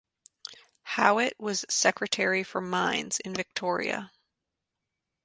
Howitt was Secretary for Mines in Victoria.